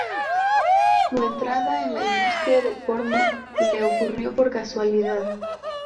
Su entrada en la industria del porno le ocurrió por casualidad.